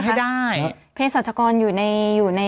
จริงเพศสาชกรอยู่ในนี้นะคะ